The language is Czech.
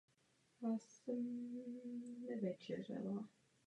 Obec mu udělila čestné občanství.